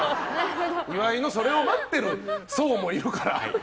岩井のそれを待ってる層もいるから。